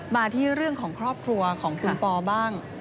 มาที่เรื่องของครอบครัวของคุณปอบ้าง